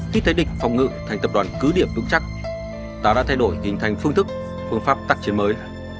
khi thấy địch phòng ngự thành tập đoàn cứ điểm đúng chắc ta đã thay đổi hình thành phương thức phương pháp tác chiến mới